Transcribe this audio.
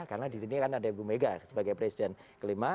karena di sini kan ada ibu mega sebagai presiden kelima